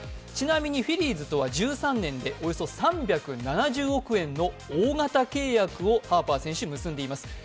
ちなみにフィリーズとは１３年でおよそ３７０億円の大型契約をハーパー選手、結んでいます。